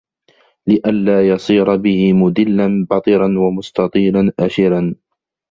لِئَلَّا يَصِيرَ بِهِ مُدِلًّا بَطِرًا وَمُسْتَطِيلًا أَشِرًا